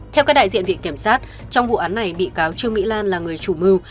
theo các đại diện viện kiểm sát trong vụ án này bị cáo trương mỹ lan là người chủ mưu